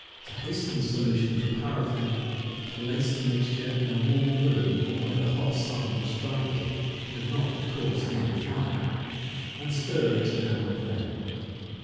To hasten the solution of the paraffin, place the mixture in a warm room, or where the hot sun will strike it (but not, of course, near the fire) and stir it now and then.